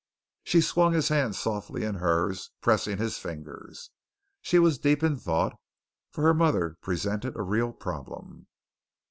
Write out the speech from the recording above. She swung his hand softly in hers, pressing his fingers. She was deep in thought, for her mother presented a real problem.